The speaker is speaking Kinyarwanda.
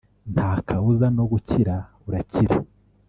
nta kabuza no gukira urakira